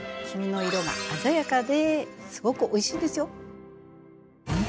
黄身の色が鮮やかですごくおいしいですよ。